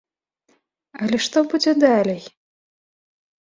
Але што будзе далей?